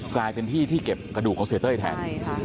กลายเป็นที่ที่เก็บกระดูกของเสียเต้ยแทน